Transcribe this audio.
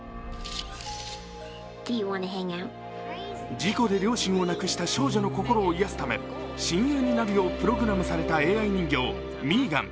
事故で両親を亡くした少女の心を癒やすため親友になるようプログラムされたＡＩ人形、ミーガン。